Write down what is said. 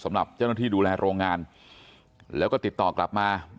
สำหรับเจ้าหน้าที่ดูแลโรงงานแล้วก็ติดต่อกลับมา